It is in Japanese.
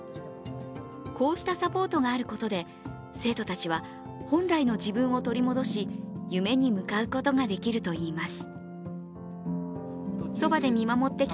こうしたサポートがあることで生徒たちは本来の自分を取り戻し夢に向かうことができるといいます。